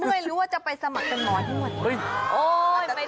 เมื่อยรู้ว่าจะไปสมัครเป็นหมอที่หมด